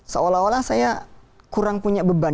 seolah olah saya kurang punya beban